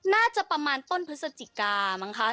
น่าจะประมาณต้นพฤศจิกามั้งคะ